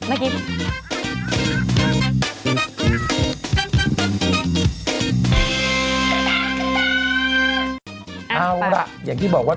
เอาล่ะอย่างที่บอกว่า